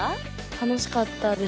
楽しかったです。